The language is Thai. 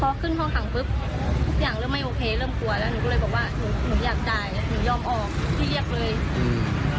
พอขึ้นห้องขังปุ๊บทุกอย่างเริ่มไม่โอเคเริ่มกลัวแล้วหนูก็เลยบอกว่าหนูหนูอยากจ่ายหนูยอมออกพี่เรียกเลยอืม